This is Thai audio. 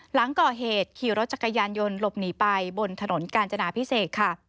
หลังก่อเหตุขี่รถจักรยานยนต์หลบหนีไปบนถนนกาญจนาพิเศษค่ะ